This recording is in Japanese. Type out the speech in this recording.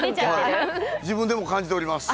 自分でも感じております。